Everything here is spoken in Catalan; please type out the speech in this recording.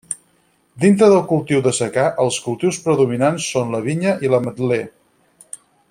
Dintre del cultiu de secà els cultius predominants són la vinya i l'ametler.